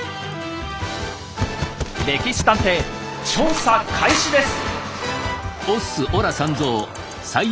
「歴史探偵」調査開始です。